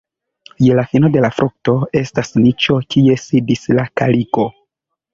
Je la fino de la frukto estas niĉo, kie sidis la kaliko.